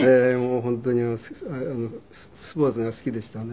本当にスポーツが好きでしたね。